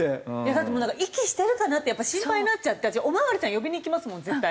だってもう息してるかな？って心配になっちゃって私お巡りさん呼びに行きますもん絶対。